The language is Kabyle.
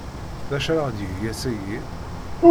D acu ara ɣ-d-yeg ass-agi?